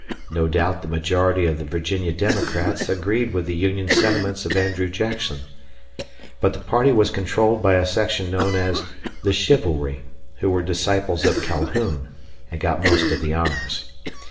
No doubt the majority of the Virginia Democrats agreed with the Union sentiments of Andrew Jackson, but the party was controlled by a section known as "the chivalry", who were disciples of Calhoun, and got most of the honors.